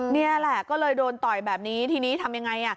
นี่แหละก็เลยโดนต่อยแบบนี้ทีนี้ทำยังไง